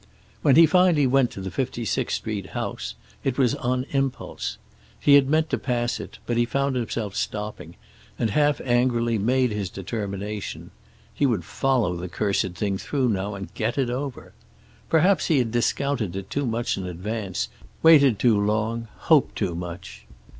When he finally went to the 56th Street house it was on impulse. He had meant to pass it, but he found himself stopping, and half angrily made his determination. He would follow the cursed thing through now and get it over. Perhaps he had discounted it too much in advance, waited too long, hoped too much.